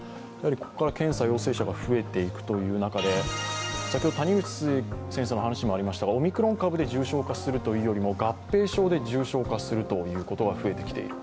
ここから検査陽性者が増えていく中で谷口先生の話にもありましたがオミクロン株で重症化するといいうよりも合併症で重症化する人が増えてきている。